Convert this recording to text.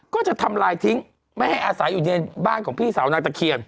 ก็จะทำลายทิ้งไม่ให้อาศัยอยู่ในบ้านของพี่สาวนางตะเคียน